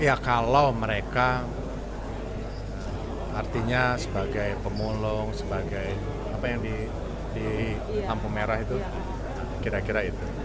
ya kalau mereka artinya sebagai pemulung sebagai apa yang di lampu merah itu kira kira itu